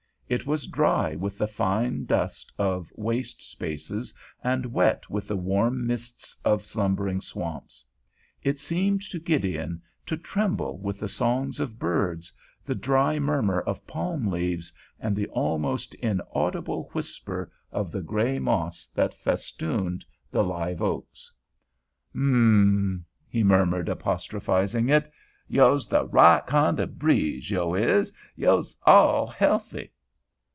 It was dry with the fine dust of waste places, and wet with the warm mists of slumbering swamps; it seemed to Gideon to tremble with the songs of birds, the dry murmur of palm leaves, and the almost inaudible whisper of the gray moss that festooned the live oaks. "Um m m," he murmured, apostrophizing it, "yo' 's the right kind o' breeze, yo' is. Yo' all's healthy."